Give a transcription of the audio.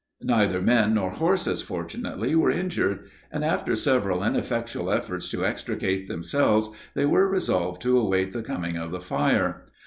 Neither men nor horses, fortunately, were injured; and, after several ineffectual efforts to extricate themselves, they here resolved to await the coming of the fire.